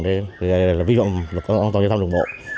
vì vậy là vi phạm giao thông giao thông đồng bộ